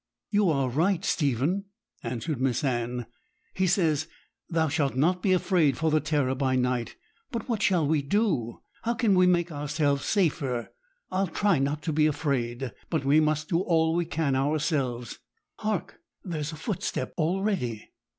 'You are right, Stephen,' answered Miss Anne. 'He says, "Thou shalt not be afraid for the terror by night." But what shall we do? How can we make ourselves safer? I'll try not to be afraid; but we must do all we can ourselves. Hark! there's a footstep already!'